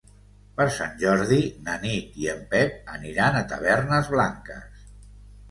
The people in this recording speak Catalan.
Per Sant Jordi na Nit i en Pep aniran a Tavernes Blanques.